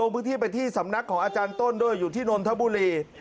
พิธีไปที่สำนักของอาจารย์ต้นตรีศูนย์ด้วยอยู่ที่นรทบุรี